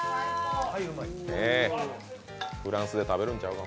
フランスで食べるんちゃうの？